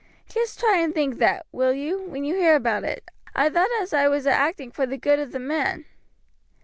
Just try and think that, will you, when you hear about it. I thought as I was a acting for the good of the men."